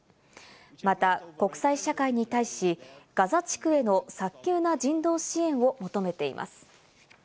また、国際社会に対し、ガザ地区への早急な人道支援を求めています。